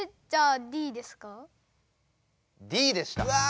Ｄでした。